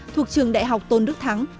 thuộc trường đại học tôn đức thắng